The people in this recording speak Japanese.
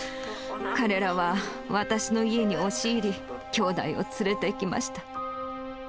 彼らは私の家に押し入り、兄弟を連れていきました。